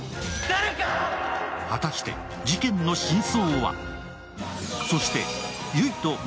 果たして事件の真相は？